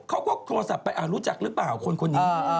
เขาก็โทรศัพท์ไปรู้จักหรือเปล่าคนนี้